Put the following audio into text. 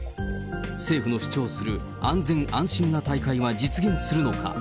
政府の主張する安全安心な大会は実現するのか。